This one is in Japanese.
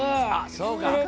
あっそうか！